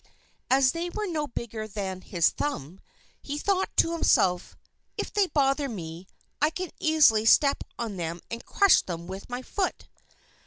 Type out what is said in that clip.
As they were no bigger than his thumb, he thought to himself: "If they bother me, I can easily step on them and crush them with my foot."